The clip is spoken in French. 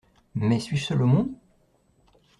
Mais suis-je seul au monde?